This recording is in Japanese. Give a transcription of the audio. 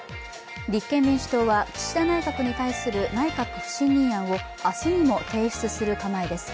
立憲民主党は、岸田内閣に対する内閣不信任案を明日にも提出する構えです。